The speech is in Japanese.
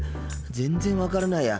全然分からないや。